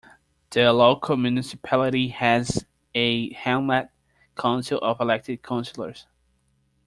The local municipality has a Hamlet Council of elected councillors.